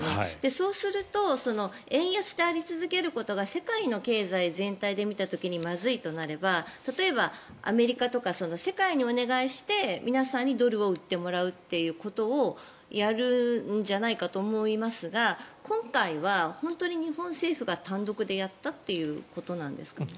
そうすると円安であり続けることが世界の経済全体で見た時にまずいとなれば例えばアメリカとか世界にお願いして皆さんにドルを売ってもらうということをやるんじゃないかと思いますが今回は本当に日本政府が単独でやったということなんですかね。